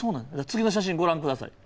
次の写真ご覧下さい。